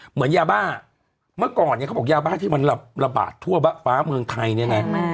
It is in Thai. เหมือนยาบ้าเมื่อก่อนเนี่ยเขาบอกยาบ้าที่มันระบาดทั่วฟ้าเมืองไทยเนี่ยไง